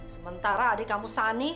sementara adik kamu sani